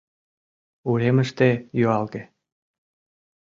Уремыште юалге.